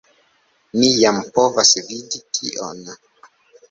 Ni jam povas vidi tion.